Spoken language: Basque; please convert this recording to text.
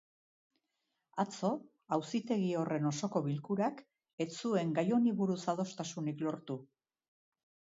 Atzo, auzitegi horren osoko bilkurak ez zuen gai honi buruz adostasunik lortu.